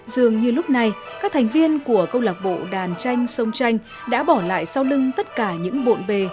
dường như lúc này các thành viên của câu lạc bộ đàn tranh sông tranh đã bỏ lại sau lưng tất cả những bộn bề